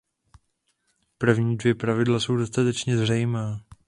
První dvě pravidla jsou dostatečně zřejmá.